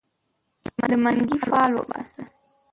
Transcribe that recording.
د منګې فال وباسه